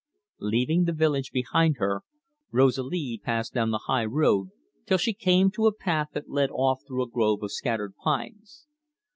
Leaving the village behind her, Rosalie passed down the high road till she came to a path that led off through a grove of scattered pines.